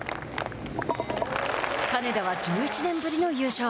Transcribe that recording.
金田は１１年ぶりの優勝。